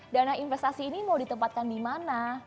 dana investasi ini mau ditempatkan di mana